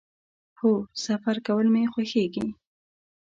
هو، سفر کول می خوښیږي